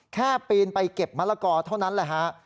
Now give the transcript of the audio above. แค่ปีนไปเก็บมะละกอเท่านั้นแหละฮะ